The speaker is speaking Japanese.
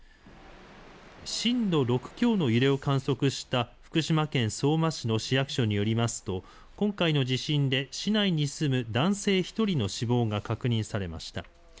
震度６強の揺れを観測した福島県相馬市の市役所によりますと今回の地震で市内に住む男性１人の死亡が確認されました。